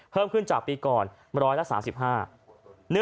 เพิ่มขึ้นจากปีก่อน๑๓๕